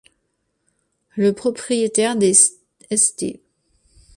Le propriétaire des St.